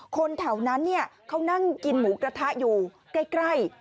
คนแถวนั้นเขานั่งกินหมูกระทะอยู่ใกล้